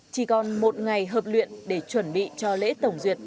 chỉ còn một ngày hợp luyện để chuẩn bị cho lễ tổng duyệt